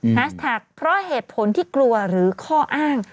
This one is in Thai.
แท็กเพราะเหตุผลที่กลัวหรือข้ออ้าง